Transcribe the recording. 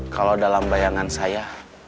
kalau dalam bayangan saya